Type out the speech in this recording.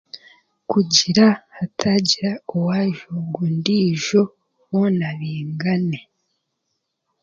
Kugira ngu haatagira owaajoga ondaijo boona baingane